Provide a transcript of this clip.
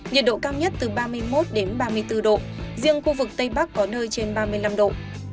nhiệt độ cao nhất từ ba mươi một ba mươi bốn độ riêng khu vực tây bắc có nơi trên ba mươi năm độ